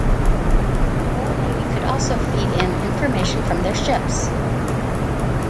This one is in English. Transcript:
The Royal Navy could also feed in information from their ships.